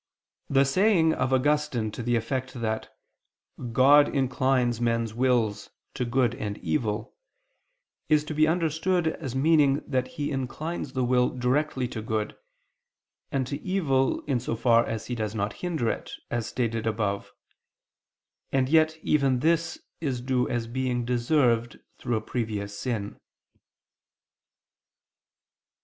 The saying of Augustine (De Grat. et Lib. Arb. xxi, whence the gloss quoted is taken) to the effect that "God inclines men's wills to good and evil," is to be understood as meaning that He inclines the will directly to good; and to evil, in so far as He does not hinder it, as stated above. And yet even this is due as being deserved through a previous sin.